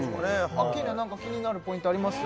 アッキーナ何か気になるポイントあります？